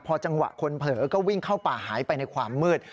พอจังหวะคนเผลอก็วิ่งเข้าป่าหายไปในความมืด